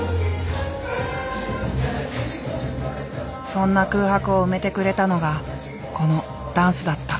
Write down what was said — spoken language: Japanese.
そんな空白を埋めてくれたのがこのダンスだった。